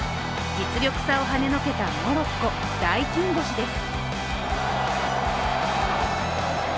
実力差をはねのけたモロッコ、大金星です。